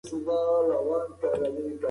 که ته نه وای، زه به په تیارو کې ورک وم.